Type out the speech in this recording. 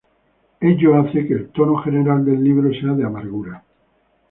Ello hace que el tono general del libro sea de amargura.